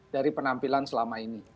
dari penampilan selama ini